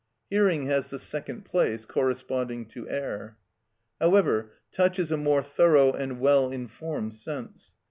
Hearing has the second place, corresponding to air. However, touch is a more thorough and well informed sense.